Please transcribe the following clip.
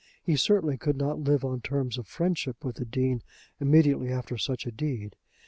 He certainly could not live on terms of friendship with the Dean immediately after such a deed.